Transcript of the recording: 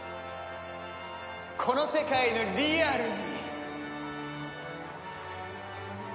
この世界のリアルに！